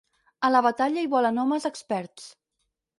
A la batalla hi volen homes experts.